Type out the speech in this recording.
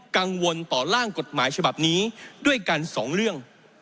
กังวลต่อร่างกฎหมายฉบับนี้ด้วยกันสองเรื่อง